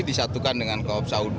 disatukan dengan koopsa u dua